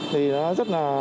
thì nó rất là